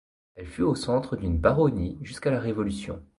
Elle fut au centre d'une baronnie jusqu'à la Révolution.